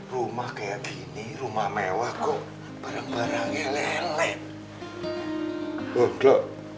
rumah mewah kok barang barangnya lele